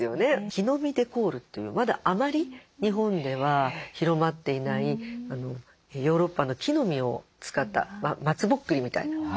木の実デコールというまだあまり日本では広まっていないヨーロッパの木の実を使ったまつぼっくりみたいな。